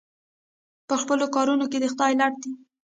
په خپلو کارونو کې د خدای لټ دی.